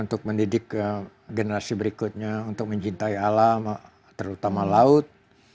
untuk mendidik generasi berikutnya untuk mencintai alam terutama laut